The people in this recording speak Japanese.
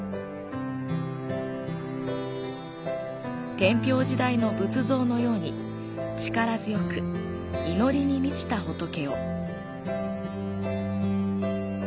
天平時代の仏像のように力強く、祈りに満ちた仏を。